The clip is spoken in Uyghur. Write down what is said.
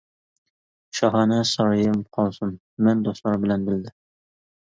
شاھانە سارىيىم قالسۇن، مەن دوستلار بىلەن بىللە.